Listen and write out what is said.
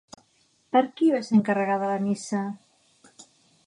Per qui va ser encarregada la missa?